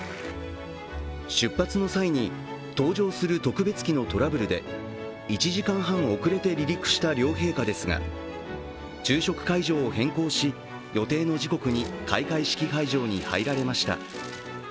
出発の際に搭乗する特別機のトラブルで１時間半遅れて離陸した両陛下ですが、昼食会場を変更し、予定の時刻に開会式会場に入られました。